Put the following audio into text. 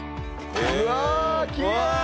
うわきれい！